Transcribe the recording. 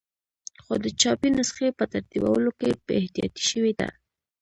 خو د چاپي نسخې په ترتیبولو کې بې احتیاطي شوې ده.